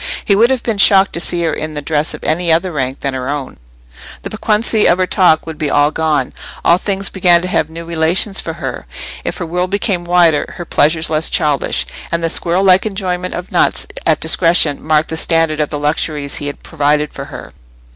He would have been shocked to see her in the dress of any other rank than her own; the piquancy of her talk would be all gone, if things began to have new relations for her, if her world became wider, her pleasures less childish; and the squirrel like enjoyment of nuts at discretion marked the standard of the luxuries he had provided for her.